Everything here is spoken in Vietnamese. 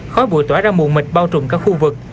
khói bụi tỏa ra mù mịt bao trùm các khu vực